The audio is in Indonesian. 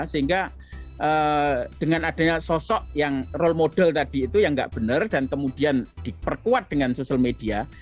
sehingga dengan adanya sosok yang role model tadi itu yang nggak benar dan kemudian diperkuat dengan sosial media